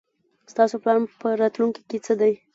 تاسو پلان په راتلوونکي کې څه دی ؟